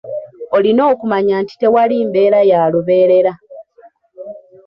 Olina okumanya nti tewali mbeera ya lubeerera